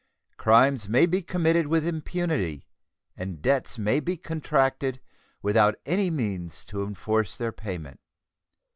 Crimes may be committed with impunity and debts may be contracted without any means to enforce their payment.